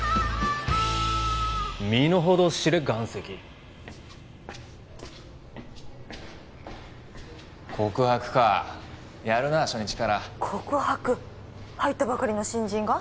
身のほどを知れ岩石告白かやるな初日から告白入ったばかりの新人が！？